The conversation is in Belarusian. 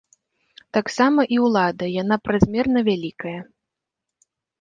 Так сама і ўлада, яна празмерна вялікая.